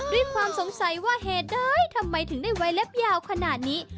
ด้วยความสงสัยว่าเหตุใดทำไมถึงได้ไว้เล็บยาวขนาดนี้